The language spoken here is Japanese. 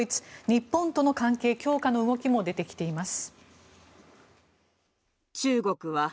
日本との関係強化の動きも出てきています。